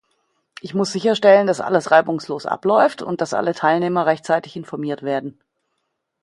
Ich muss sicherstellen, dass alles reibungslos abläuft und dass alle Teilnehmer rechtzeitig informiert werden.